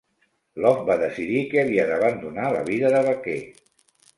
Love va decidir que havia d'abandonar la vida de vaquer.